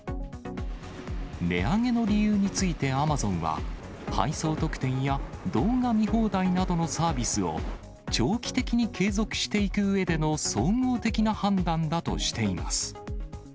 値上げの理由についてアマゾンは、配送特典や動画見放題などのサービスを、長期的に継続していくうえでの総合的な判断だとしています。